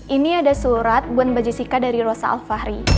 ini ada surat buat mbak jessica dari rosa alfahri